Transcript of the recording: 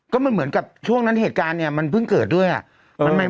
ก็มันเหมือนกับช่วงนั้นเหตุการณ์เนี่ยมันเพิ่งเกิดด้วยอ่ะ